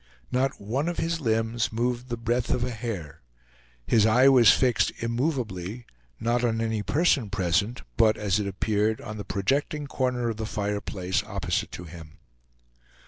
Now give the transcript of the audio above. Not one of his limbs moved the breadth of a hair; his eye was fixed immovably, not on any person present, but, as it appeared, on the projecting corner of the fireplace opposite to him.